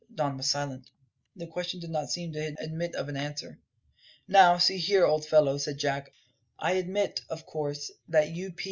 Don was silent. The question did not seem to admit of an answer. "Now, see here, old' fellow," said Jack; "I admit, of course, that U.P.